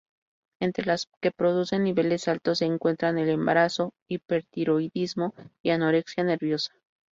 Entre las que producen niveles altos se encuentran el embarazo, hipertiroidismo y anorexia nerviosa.